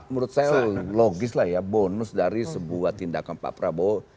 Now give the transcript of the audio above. menurut saya logis lah ya bonus dari sebuah tindakan pak prabowo